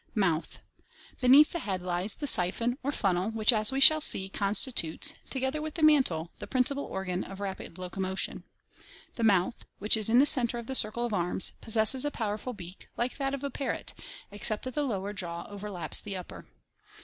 Mouth* — Beneath the head lies the siphon or funnel which, as we shall see, constitutes, together with the mantle, the principal organ of rapid locomotion. The mouth, which is in the center of the circle of arms, possesses a powerful beak, like that of a parrot except that the lower jaw overlaps the upper.